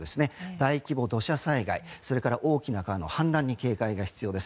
大規模土砂災害、大きな川の氾濫に警戒が必要です。